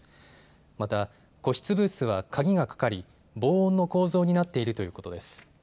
また、個室ブースは鍵がかかり防音の構造になっているということです。